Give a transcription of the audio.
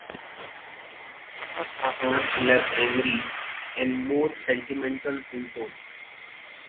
The performance was much less angry, and more sentimental in tone.